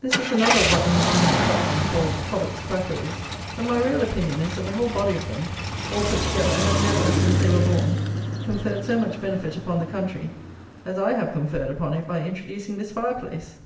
This is another of what the malignant parsons call Cobbett's Quackeries. But my real opinion is that the whole body of them, all put together, have never, since they were born, conferred so much benefit upon the country, as I have conferred upon it by introducing this fire place.